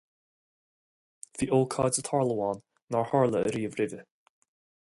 Bhí ócáid ag tarlú ann nár tharla riamh roimhe.